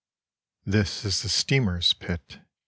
"This is the steamer's pit.